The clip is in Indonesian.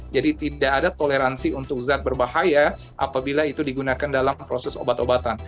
jadi tidak ada toleransi untuk zat berbahaya apabila itu digunakan dalam proses obat obatan